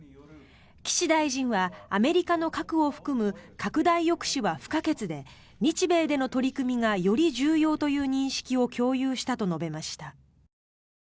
岸大臣はアメリカの核を含む拡大抑止は不可欠で日米での取り組みがより重要という認識を共有したと述べました。